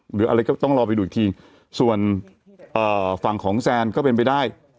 หรืออะไรก็ต้องรอไปดูอีกทีส่วนฝั่งของแซนก็เป็นไปได้